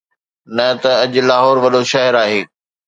نه ته اڄ لاهور وڏو شهر آهي.